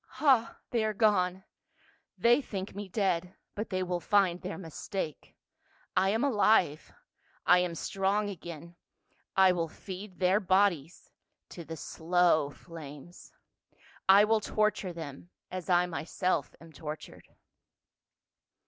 " Ha ! they are gone ; they think me dead, but they will find their mistake. I am alive. I am strong again. I will feed their bodies to 108 PA UL. slow flames. I will torture them — as I myself am tortured."